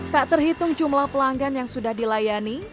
tak terhitung jumlah pelanggan yang sudah dilayani